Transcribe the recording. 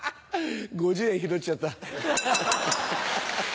５０円拾っちゃった。